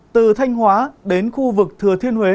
từ thanh hóa đến khu vực thừa thiên huế